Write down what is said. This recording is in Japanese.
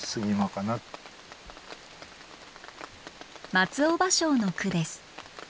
松尾芭蕉の句です。